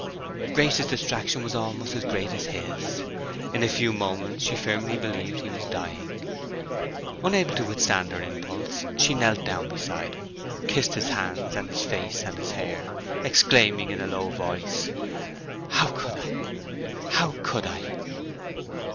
Grace's distraction was almost as great as his. In a few moments she firmly believed he was dying. Unable to withstand her impulse, she knelt down beside him, kissed his hands and his face and his hair, exclaiming, in a low voice, "How could I? How could I?"